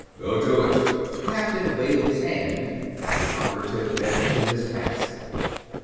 "Go to it!" The captain waved his hand and the operative bent to his task.